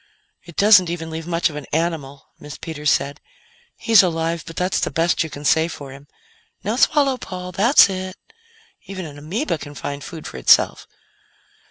"It doesn't even leave much of an animal," Miss Peters said. "He's alive, but that's the best you can say for him. (Now swallow, Paul. That's it.) Even an ameba can find food for itself."